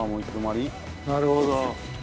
なるほど。